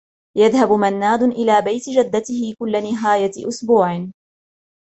يذهب مناد إلى بيت جدته كل نهاية أسبوع.